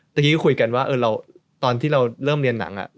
เมื่อกี้ก็คุยกันว่าตอนที่เราเริ่มเรียนหนัง